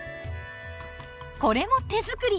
これも手作り！